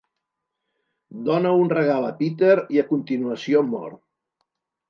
Dóna un regal a Peter i a continuació mor.